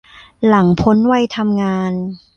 หลังพ้นวัยทำงาน